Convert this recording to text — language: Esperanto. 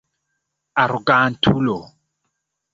Arogantulo!